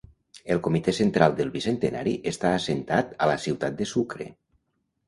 El Comitè Central del Bicentenari està assentat a la ciutat de Sucre.